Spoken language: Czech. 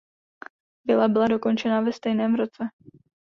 Vila byla dokončena ve stejném roce.